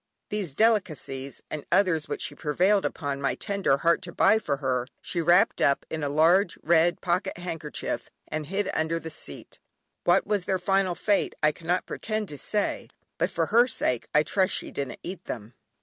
These delicacies, and others which she prevailed upon my tender heart to buy for her, she wrapped up in a large red pocket handkerchief, and hid under the seat; what was their final fate I cannot pretend to say, but for her sake I trust she didn't eat them.